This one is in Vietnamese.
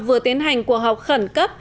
vừa tiến hành cuộc họp khẩn cấp